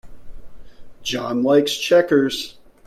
John likes checkers.